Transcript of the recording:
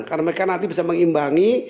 karena mereka nanti bisa mengimbangi